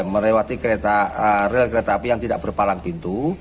melewati kereta api yang tidak berpalang pintu